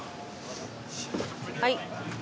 はい。